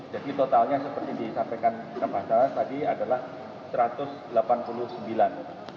jadi totalnya seperti disampaikan ke masalah tadi adalah satu ratus delapan puluh sembilan